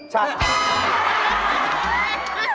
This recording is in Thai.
ฉัน